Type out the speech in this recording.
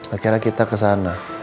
akhirnya kita kesana